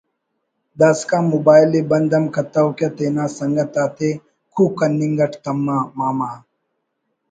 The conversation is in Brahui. داسکان موبائل ءِ بند ہم کتو کہ تینا سنگت آتے کوک کننگ اٹ تما ماما